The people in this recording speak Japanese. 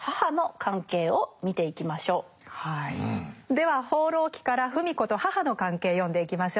では「放浪記」から芙美子と母の関係読んでいきましょう。